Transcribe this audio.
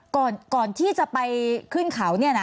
ก่อนที่จะไปขึ้นเขาเนี่ยนะ